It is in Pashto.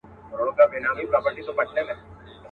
چي ته مه ژاړه پیسې مو دربخښلي.